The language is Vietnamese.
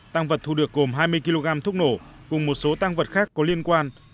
tăng vật thu được gồm hai mươi kg thuốc nổ cùng một số tăng vật khác có liên quan